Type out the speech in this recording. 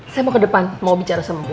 saya mau ke depan mau bicara sama buo